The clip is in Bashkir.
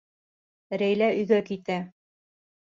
Рәйлә өйгә китә.